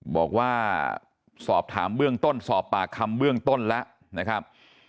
บอกว่าสอบถามเบื้องต้นสอบปากคำเบื้องต้นแล้วนะครับ